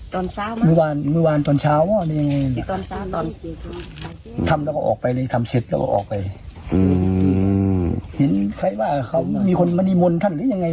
ทำแล้วก็ออกไปเลยทำเสร็จแล้วก็ออกไปอืมหินใครว่าเขามีคนมานิมนต์ท่านหรือยังไง